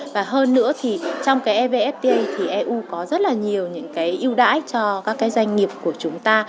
và hơn nữa thì trong cái evfta thì eu có rất là nhiều những cái ưu đãi cho các cái doanh nghiệp của chúng ta